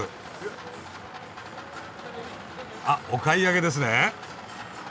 あお買い上げですね？